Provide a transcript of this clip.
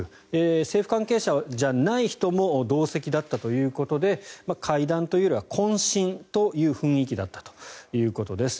政府関係者じゃない人も同席だったということで会談というよりは懇親という雰囲気だったということです。